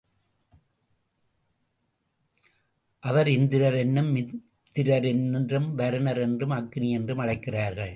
அவரை இந்திரர் என்றும், மித்திரர் என்றும், வருணர் என்றும், அக்னி என்றும் அழைக்கிறார்கள்.